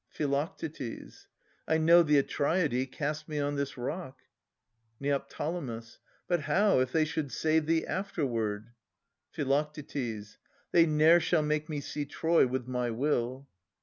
Phi. I know the Atreidae cast me on this rock. Neo. But how, if they should save thee afterward ? Phi. They ne'er shall make me see Troy with my will.